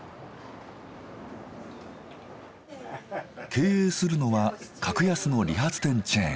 経営するのは格安の理髪店チェーン。